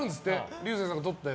竜星さんが撮った。